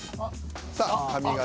さあ「髪形」。